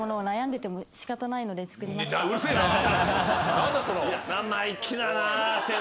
何だその。